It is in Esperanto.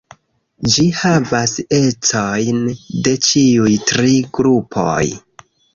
Ĝi havas ecojn de ĉiuj tri grupoj.